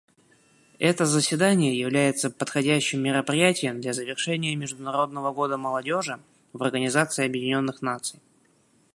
Это заседание является подходящим мероприятием для завершения Международного года молодежи в Организации Объединенных Наций.